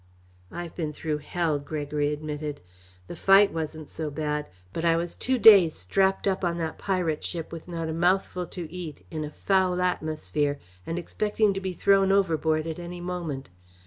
"I've been through hell," Gregory admitted. "The fight wasn't so bad, but I was two days strapped up on that pirate ship with not a mouthful to eat, in a foul atmosphere, and expecting to be thrown overboard at any moment.